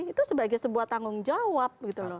itu sebagai sebuah tanggung jawab gitu loh